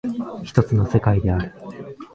一つの世界である。